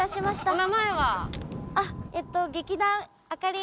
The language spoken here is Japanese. お名前は？